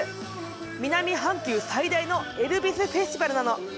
南半球最大のエルビス・フェスティバルなの。